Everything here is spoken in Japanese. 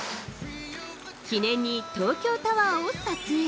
記念に東京タワーを撮影。